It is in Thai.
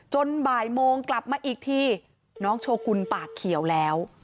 บ่ายโมงกลับมาอีกทีน้องโชกุลปากเขียวแล้ว